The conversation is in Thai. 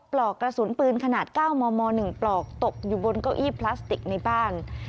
ปลอกกระสุนปืนขนาด๙มม๑ปลอกตกอยู่บนเก้าอี้พลาสติกในบ้าน